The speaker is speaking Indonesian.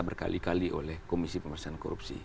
berkali kali oleh komisi pemerintahan korupsi